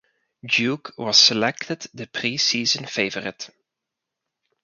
Duke was selected the preseason favorite.